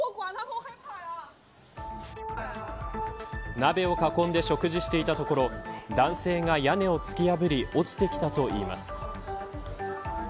鍋を囲んで食事していたところ男性が屋根を突き破り落ちてきたといいます。